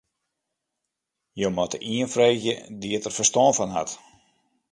Jo moatte ien freegje dy't dêr ferstân fan hat.